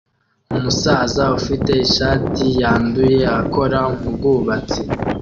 Umusaza ufite ishati yanduye akora mubwubatsi